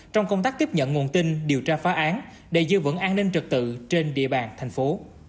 trong công tác tiếp nhận nguồn tin điều tra phá án để giữ vững an ninh trực tự trên địa bàn thành phố